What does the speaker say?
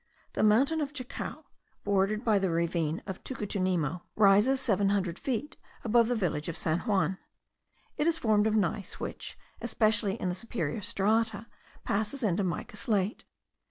The mountain of Chacao, bordered by the ravine of Tucutunemo, rises seven hundred feet above the village of San Juan. It is formed of gneiss, which, especially in the superior strata, passes into mica slate.